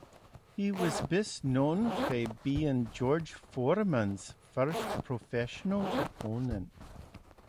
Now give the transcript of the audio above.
He was best known for being George Foreman's first professional opponent.